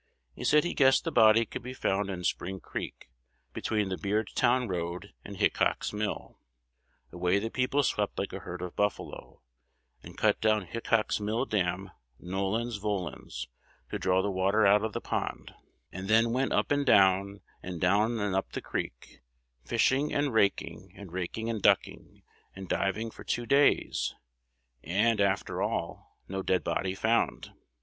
He said he guessed the body could be found in Spring Creek, between the Beardstown Road and Hickox's mill. Away the people swept like a herd of buffalo, and cut down Hickox's mill dam nolens volens, to draw the water out of the pond, and then went up and down, and down and up the creek, fishing and raking, and raking and ducking, and diving for two days, and, after all, no dead body found.